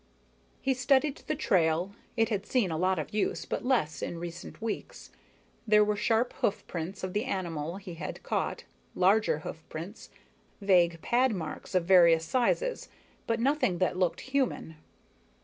He studied the trail. It had seen a lot of use, but less in recent weeks. There were sharp hoof prints of the animal he had caught, larger hoof prints, vague pad marks of various sizes, but nothing that looked human.